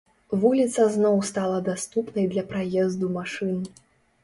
Вуліца зноў стала даступнай для праезду машын.